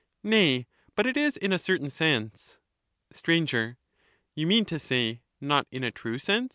Nay, but it is in a certain sense. Str. You mean to say, not in a true sense